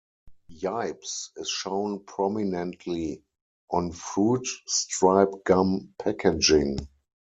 Yipes is shown prominently on Fruit Stripe gum packaging.